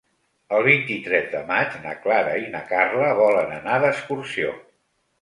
El vint-i-tres de maig na Clara i na Carla volen anar d'excursió.